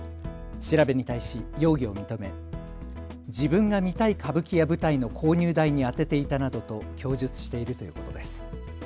調べに対し容疑を認め、自分が見たい歌舞伎や舞台の購入代に充てていたなどと供述しているということです。